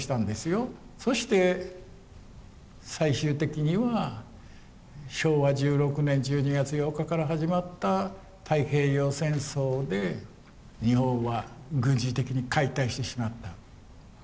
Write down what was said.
そして最終的には昭和１６年１２月８日から始まった太平洋戦争で日本は軍事的に解体してしまった。